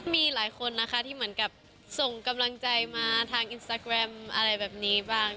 มีหลายคนนะคะที่เหมือนกับส่งกำลังใจมาทางอินสตาแกรมอะไรแบบนี้บ้าง